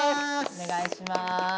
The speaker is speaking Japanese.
お願いします。